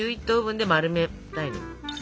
１１等分で丸めたいの。